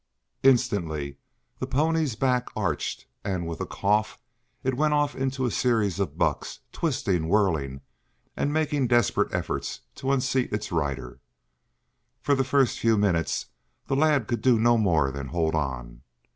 Instantly the pony's back arched, and, with a cough, it went off into a series of bucks, twisting, whirling and making desperate efforts to unseat its rider. For the first few minutes the lad could do no more than hold on.